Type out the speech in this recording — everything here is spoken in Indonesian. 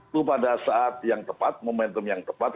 itu pada saat yang tepat momentum yang tepat